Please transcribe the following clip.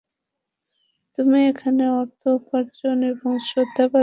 তুমি এখানে অর্থ উপার্জন এবং শ্রদ্ধা পাচ্ছো।